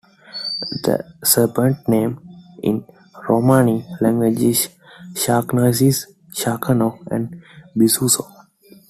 The Serpent name in Romani language is Sharkanis, Sherkano and Bizuzo.